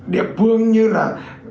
địa phương như là